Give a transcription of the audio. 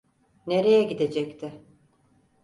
Nereye gidecekti?